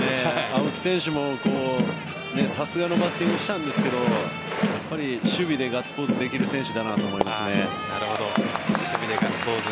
青木選手もさすがのバッティングしたんですけどやっぱり守備でガッツポーズできる選手だなと守備でガッツポーズ